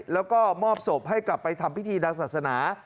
แล้วก็มอบศพให้กลับไปทำพิธีทางศาสนา